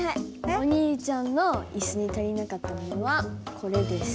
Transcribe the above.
お兄ちゃんのイスに足りなかったものはこれです。